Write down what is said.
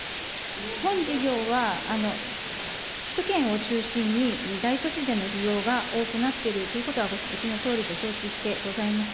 本事業は、首都圏を中心に、大都市での利用が多くなっているということはご指摘のとおりと承知してございます。